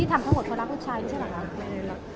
พี่ทำทั้งหมดเพราะรักผู้ชายนี่ใช่หรือล่ะ